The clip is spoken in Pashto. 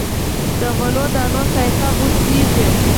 د غلو دانو ساقې بوس کیږي.